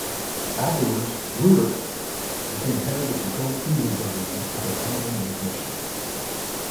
Afterwards, Ruark became head of the controlled fusion program at the Atomic Energy Commission.